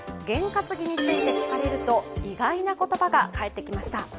験担ぎについて聞かれると、意外な言葉が返ってきました。